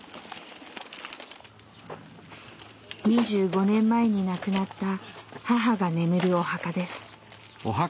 ２５年前に亡くなった母が眠るお墓です。